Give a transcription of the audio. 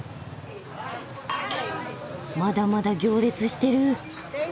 まだまだ行列してる。